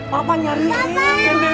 papa nyari dia